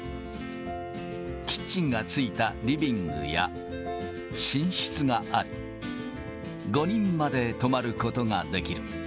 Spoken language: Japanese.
キッチンが付いたリビングや、寝室があり、５人まで泊まることができる。